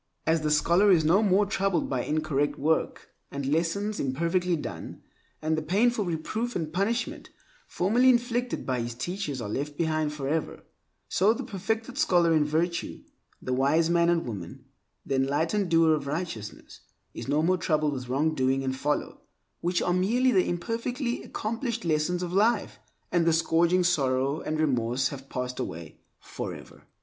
As the ripe scholar is no more troubled by incorrect work and lessons imperfectly done, and the painful reproof and punishment formerly inflicted by his teachers are left behind forever, so the perfected scholar in virtue, the wise man and woman, the enlightened doer of righteousness, is no more troubled with wrongdoing and folly (which are merely the imperfectly accomplished lessons of life), and the scourging of sorrow and remorse have passed away forever.